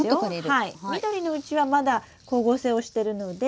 緑のうちはまだ光合成をしてるので。